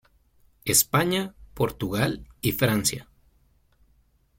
España, Portugal y Francia.